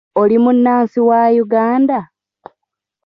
Oli munnansi wa Uganda?